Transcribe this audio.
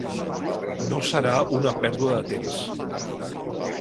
No serà una pèrdua de temps.